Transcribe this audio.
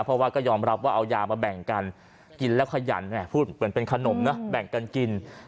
เพราะว่าก็ยอมรับว่าเอายามาแบ่งกันกินแล้วขยันพูดเหมือนเป็นขนมนะแบ่งกันกิน